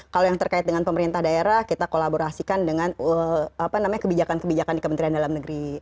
kalau yang terkait dengan pemerintah daerah kita kolaborasikan dengan kebijakan kebijakan di kementerian dalam negeri